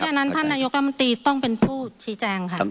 อันนั้นท่านนายกรัฐมนตรีต้องเป็นผู้ชี้แจงค่ะ